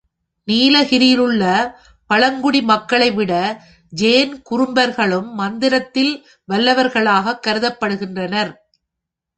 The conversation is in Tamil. நீலகிரியிலுள்ள மற்ற பழங்குடி மக்களைவிட, ஜேன் குறும்பர்களும் மந்திரத்தில் வல்லவர்களாகக் கருதப்படுகின்றனர்.